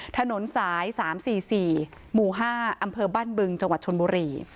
ถนนสาย๓๔๔หมู่๕อำเภอบ้านบึงจังหวัดชนบุรี